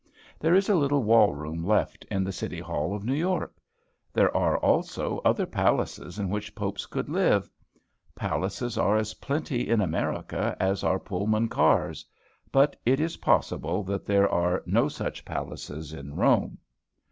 There is a little wall room left in the City Hall of New York. There are, also, other palaces in which popes could live. Palaces are as plenty in America as are Pullman cars. But it is possible that there are no such palaces in Rome.